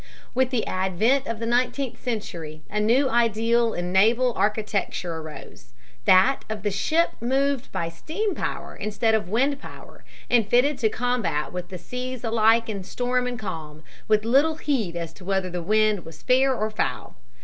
With the advent of the nineteenth century a new ideal in naval architecture arose, that of the ship moved by steam power instead of wind power, and fitted to combat with the seas alike in storm and calm, with little heed as to whether the wind was fair or foul.